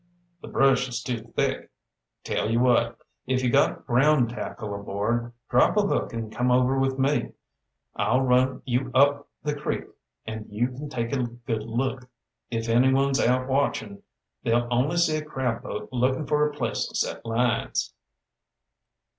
"The brush is too thick. Tell you what, if you got ground tackle aboard, drop a hook and come over with me. I'll run you up the creek and you can take a good look. If anyone's out watchin', they'll only see a crab boat lookin' for a place to set lines."